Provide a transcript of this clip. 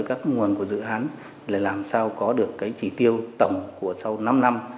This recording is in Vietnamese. các nguồn của dự án để làm sao có được cái chỉ tiêu tổng của sau năm năm